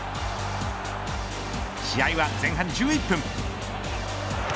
試合は前半１１分。